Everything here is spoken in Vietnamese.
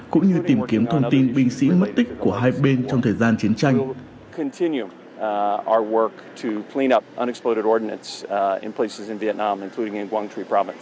cũng như tìm kiếm thông tin binh sĩ mất tích của hai bên trong thời gian chiến tranh